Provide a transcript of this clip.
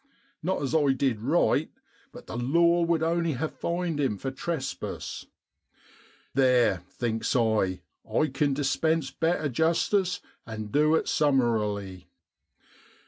Not as I did right, but the law would only ha' fined him for trespass. Theer, thinks I, I can dispense better justice, and du it summarily.